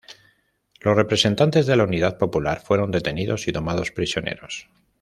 Los representantes de la Unidad Popular fueron detenidos y tomados prisioneros.